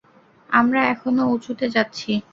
আমরা এখনো উঁচুতে যাচ্ছি।